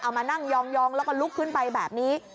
มานั่งยองแล้วก็ลุกขึ้นไปแบบนี้